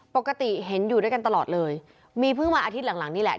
ปกติเห็นอยู่ด้วยกันตลอดเลยมีเพิ่งมาอาทิตย์หลังหลังนี่แหละ